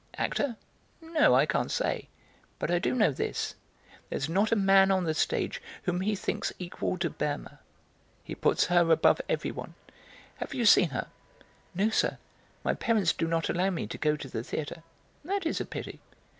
"Actor? No, I can't say. But I do know this: there's not a man on the stage whom he thinks equal to Berma; he puts her above everyone. Have you seen her?" "No, sir, my parents do not allow me to go to the theatre." "That is a pity.